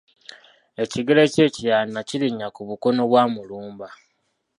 Ekigere kye ekirala naakirinnya ku bukono bwa Mulumba.